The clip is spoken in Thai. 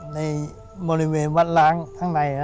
ในบริเวณวัดล้างข้างใน